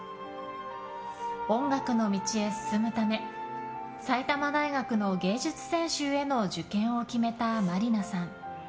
音楽の道へ進むため埼玉大学の芸術専修への受験を決めた真里奈さん。